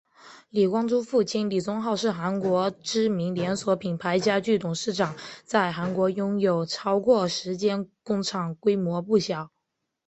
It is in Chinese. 李光洙父亲李宗浩是韩国知名连锁品牌家具董事长在韩国拥有超过十间工厂规模不小。